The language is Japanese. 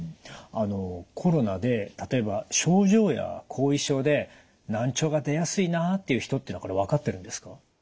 あのコロナで例えば症状や後遺症で難聴が出やすいなあっていう人っていうのは分かってるんですか？